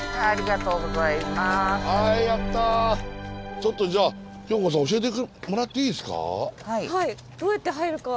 ちょっとじゃあ京子さん教えてもらっていいですか？